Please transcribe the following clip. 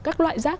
các loại rác